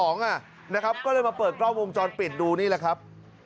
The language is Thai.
ก็เลยมาเปิดกล้องวงจรปิดดูนี่แหละครับ